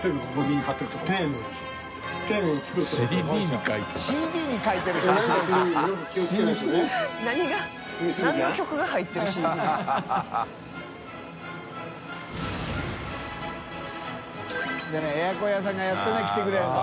任エアコン屋さんがやっとね来てくれるの。